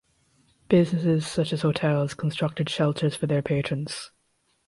Businesses such as hotels constructed shelters for their patrons.